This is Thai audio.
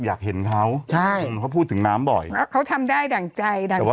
อยากเห็นเขาใช่คนเขาพูดถึงน้ำบ่อยแล้วเขาทำได้ดั่งใจดั่ง